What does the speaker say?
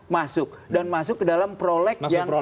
masuk dan masuk ke dalam prolek